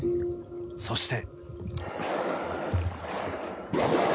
そして。